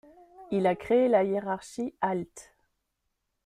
Il a créé la hiérarchie alt.